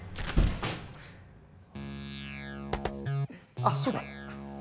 あそうだ。